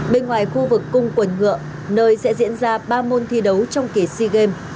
bên ngoài khu vực cung quần ngựa nơi sẽ diễn ra ba môn thi đấu trong kỳ sea games